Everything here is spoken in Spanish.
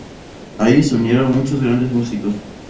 A ellos se unieron muchos grandes músicos.